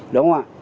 đúng không ạ